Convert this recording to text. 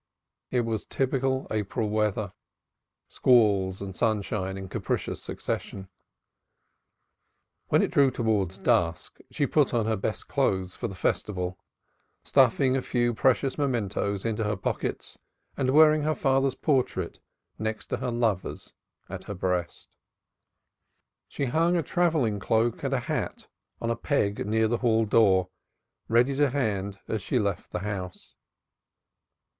It was typical April weather squalls and sunshine in capricious succession. When it drew towards dusk she put on her best clothes for the Festival, stuffing a few precious mementoes into her pockets and wearing her father's portrait next to her lover's at her breast. She hung a travelling cloak and a hat on a peg near the hall door ready to hand as she left the house.